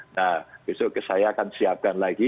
nah besok saya akan siapkan lagi